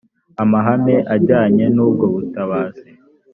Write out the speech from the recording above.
amahame ajyanye n’ubwo butabazi